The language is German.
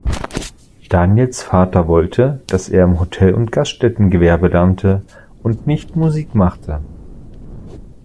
Daniels Vater wollte, dass er im Hotel- und Gaststättengewerbe lernte und nicht Musik machte.